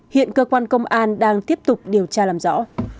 hiện cơ quan công an đang tiếp tục điều tra làm rõ